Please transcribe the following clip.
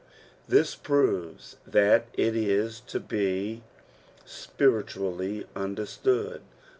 This proves that His to be spirilaally understood.